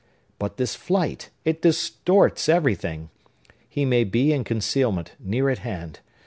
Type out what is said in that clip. But this flight,—it distorts everything! He may be in concealment, near at hand.